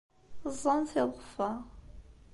Ẓẓan tiḍeffa.